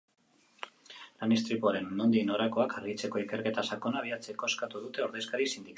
Lan-istripuaren nondik norakoak argitzeko ikerketa sakona abiatzeko eskatu dute ordezkari sindikalek.